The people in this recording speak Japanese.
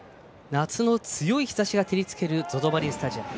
夏の強い日ざしが照りつけるＺＯＺＯマリンスタジアム。